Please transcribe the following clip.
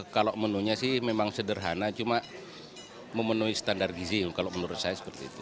kalau menunya sih memang sederhana cuma memenuhi standar gizi kalau menurut saya seperti itu